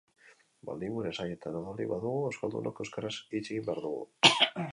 Baldin gure zainetan odolik badugu, euskaldunok euskaraz hitz egin behar dugu.